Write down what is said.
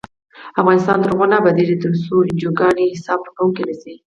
افغانستان تر هغو نه ابادیږي، ترڅو انجوګانې حساب ورکوونکې نشي.